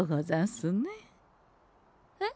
えっ？